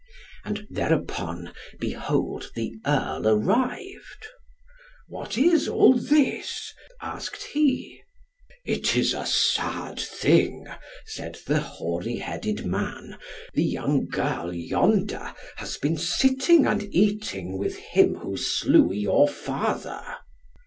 And thereupon, behold the earl arrived. "What is all this?" asked he. "It is a sad thing," said the hoary headed man, "the young girl yonder has been sitting and eating with him who slew your father.